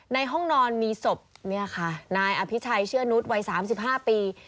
ในห้องนอนมีศพเนี่ยค่ะนายอภิชัยเชื่อนุษย์วัย๓๕ปี